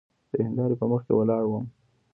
د هندارې په مخکې ولاړ وم.